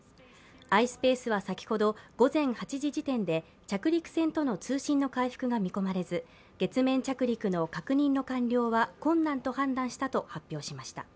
ｉｓｐａｃｅは先ほど、午前８時時点で着陸船との通信の回復が見込めず月面着陸の確認の完了は困難と判断したと発表しました。